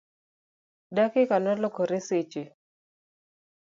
dakika nolokore seche